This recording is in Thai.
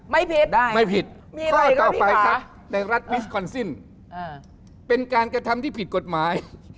ไม่ผิดได้ไม่ผิดข้อต่อไปครับในรัฐมิสคอนซินเป็นการกระทำที่ผิดกฎหมาย